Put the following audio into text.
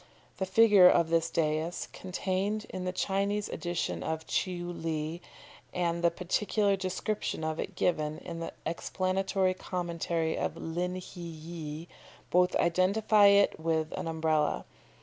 "The figure of this dais contained in the Chinese edition of Tcheou Li, and the particular description of it given in the explanatory commentary of Lin hi ye, both identify it with an Umbrella.